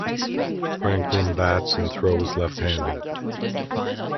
Franklin bats and throws left-handed.